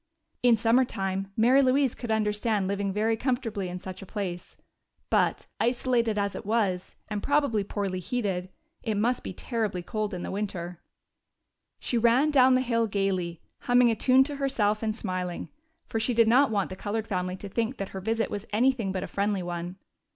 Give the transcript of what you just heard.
In summer time Mary Louise could understand living very comfortably in such a place. But, isolated as it was, and probably poorly heated, it must be terribly cold in winter. She ran down the hill gayly, humming a tune to herself and smiling, for she did not want the colored family to think that her visit was anything but a friendly one.